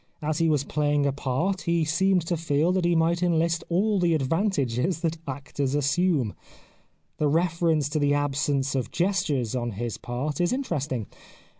As he was playing a part he seemed to feel that he might enlist all the advantages that actors assume. The reference to the absence of gestures on his part is interesting.